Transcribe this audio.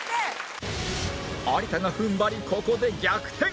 有田が踏ん張りここで逆転！